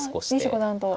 西五段と。